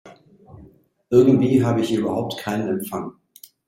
Irgendwie habe ich hier überhaupt keinen Empfang.